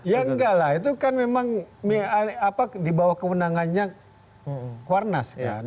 ya enggak lah itu kan memang di bawah kewenangannya kuarnas kan